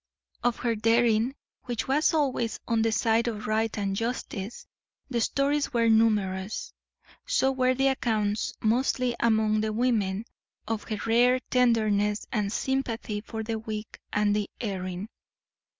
Of her daring, which was always on the side of right and justice, the stories were numerous; so were the accounts, mostly among the women, of her rare tenderness and sympathy for the weak and the erring.